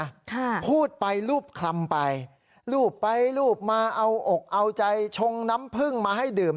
ค่ะพูดไปรูปคลำไปรูปไปรูปมาเอาอกเอาใจชงน้ำผึ้งมาให้ดื่ม